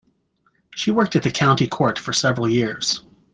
She worked at the county court for several years.